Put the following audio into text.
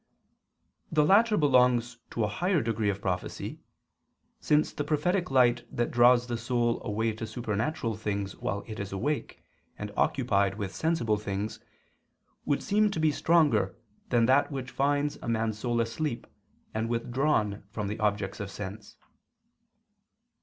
The latter belongs to a higher degree of prophecy, since the prophetic light that draws the soul away to supernatural things while it is awake and occupied with sensible things would seem to be stronger than that which finds a man's soul asleep and withdrawn from objects of sense.